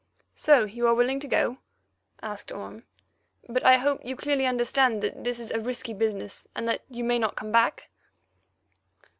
"So you are willing to go?" said Orme. "But I hope you clearly understand that this is a risky business, and that you may not come back?"